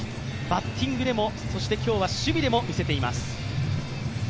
バッティングでもそして今日は守備でも見せています。